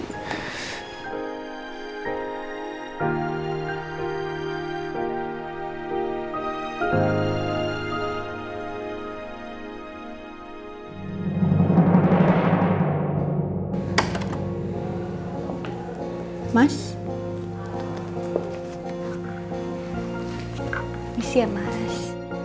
ini siapa mas